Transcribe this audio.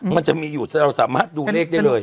มันจะมีอยู่แต่เราสามารถดูเลขได้เลย